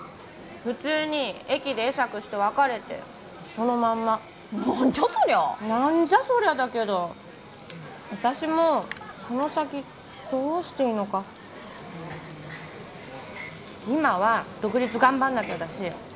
普通に駅で会釈して別れてそのまんま何じゃそりゃ何じゃそりゃだけど私もその先どうしていいのか今は独立頑張んなきゃだし